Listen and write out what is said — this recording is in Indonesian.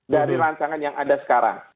dari rancangan yang ada sekarang